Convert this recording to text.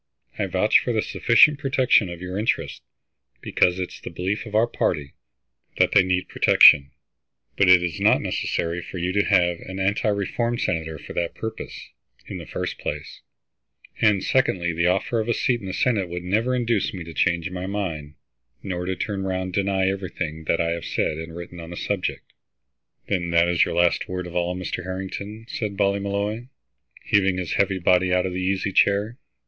I vouch for the sufficient protection of your interests, because it is the belief of our party that they need protection. But it is not necessary for you to have an anti reform senator for that purpose, in the first place; and secondly, the offer of a seat in the Senate would never induce me to change my mind, nor to turn round and deny everything that I have said and written on the subject." "Then that is your last word of all, Mr. Harrington?" said Ballymolloy, heaving his heavy body out of the easy chair.